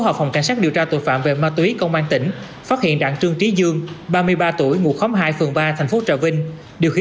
công an thành phố trà vinh